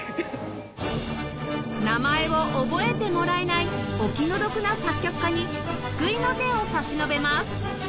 名前を覚えてもらえないお気の毒な作曲家に救いの手を差し伸べます